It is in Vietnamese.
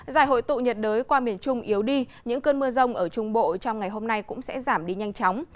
giải hội tụ nhiệt đới qua miền trung yếu đi những cơn mưa rông ở trung bộ trong ngày hôm nay cũng sẽ giảm đi nhanh chóng